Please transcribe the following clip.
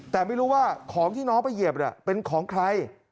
แต่ไม่รู้ว่าของที่น้องไปเหยียบเป็นของใคร